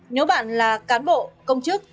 nếu bạn là cán bộ công chức